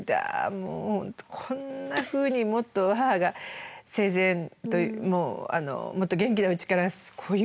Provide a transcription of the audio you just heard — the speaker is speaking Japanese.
もう本当こんなふうにもっと母が生前もうもっと元気なうちからこういう娘